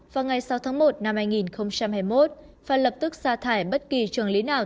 vào ngày sáu tháng một năm hai nghìn hai mươi một phải lập tức xa thải bất kỳ trường lý nào